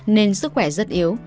nên sức khỏe rất yếu